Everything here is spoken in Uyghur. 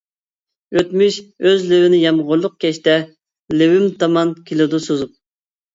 ئۆتمۈش ئۆز لېۋىنى يامغۇرلۇق كەچتە لېۋىم تامان كېلىدۇ سوزۇپ.